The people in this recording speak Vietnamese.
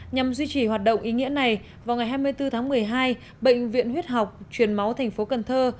nhằm duy trì hoạt động ý nghĩa này vào ngày hai mươi bốn tháng một mươi hai bệnh viện huyết học truyền máu thành phố cần thơ